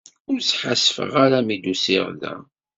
Ur ssḥasfeɣ ara mi d-usiɣ da.